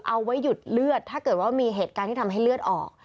เอาไว้หยุดเลือดถ้าเกิดว่ามีเหตุการณ์ที่ทำให้เลือดออก